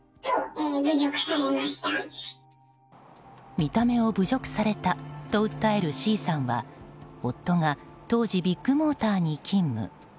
見た目を侮辱されたと訴えるＣさんは夫が当時、ビッグモーターに勤務。